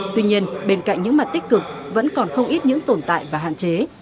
tuy nhiên bên cạnh những mặt tích cực vẫn còn không ít những tồn tại và hạn chế